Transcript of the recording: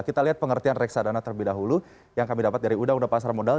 kita lihat pengertian reksadana terlebih dahulu yang kami dapat dari undang undang pasar modal